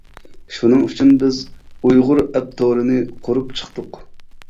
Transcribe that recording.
شۇنىڭ ئۈچۈن بىز ئۇيغۇر ئەپ تورىنى قۇرۇپ چىقتۇق.